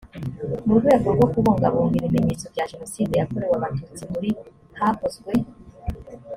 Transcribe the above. mu rwego rwo kubungabunga ibimenyetso bya jenoside yakorewe abatutsi muri hakozwe